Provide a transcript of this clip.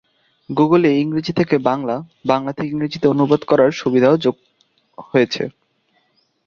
গুগলে ইংরেজি থেকে বাংলা, বাংলা থেকে ইংরেজিতে অনুবাদ করার সুবিধাও যোগ হয়েছে।